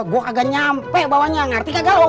gue kagak nyampe bawahnya ngerti kagak o